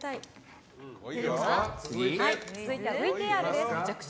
続いてはＶＴＲです。